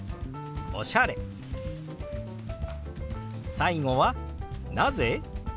最後は「なぜ？」。